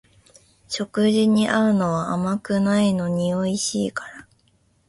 食事に合うのは甘くないのにおいしいから